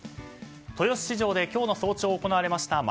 豊洲市場で今日の早朝行われました